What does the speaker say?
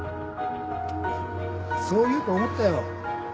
そう言うと思ったよ。